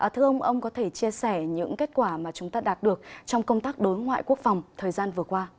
thưa ông ông có thể chia sẻ những kết quả mà chúng ta đạt được trong công tác đối ngoại quốc phòng thời gian vừa qua